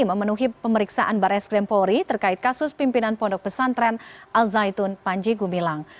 memenuhi pemeriksaan barres krimpori terkait kasus pimpinan pondok pesantren al zaitun panji gumilang